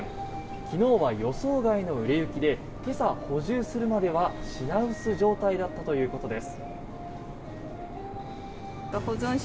昨日は予想外の売れ行きで今朝、補充するまでは品薄状態だったということです。